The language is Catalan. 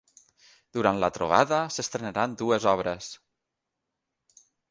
Durant la trobada, s’estrenaran dues obres.